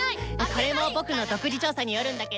これも僕の独自調査によるんだけど。